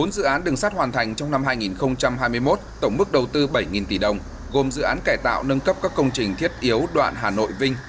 bốn dự án đường sát hoàn thành trong năm hai nghìn hai mươi một tổng mức đầu tư bảy tỷ đồng gồm dự án cải tạo nâng cấp các công trình thiết yếu đoạn hà nội vinh